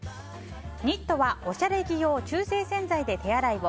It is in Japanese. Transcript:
ニットはおしゃれ着用中性洗剤で手洗いを。